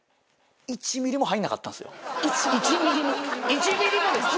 １ミリもですか？